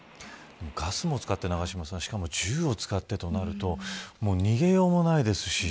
ガスも使ってしかも銃を使ってとなると逃げようもないですし